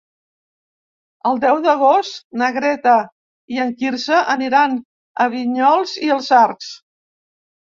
El deu d'agost na Greta i en Quirze aniran a Vinyols i els Arcs.